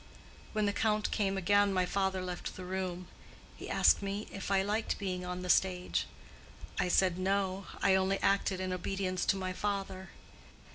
When the Count came again, my father left the room. He asked me if I liked being on the stage. I said No, I only acted in obedience to my father.